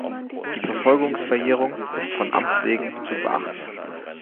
Die Verfolgungsverjährung ist von Amts wegen zu beachten.